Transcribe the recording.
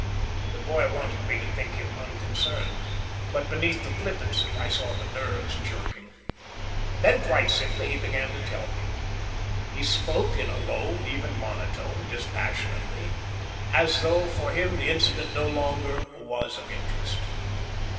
The boy wanted me to think him unconcerned, but beneath the flippancy I saw the nerves jerking. Then quite simply he began to tell me. He spoke in a low, even monotone, dispassionately, as though for him the incident no longer was of interest.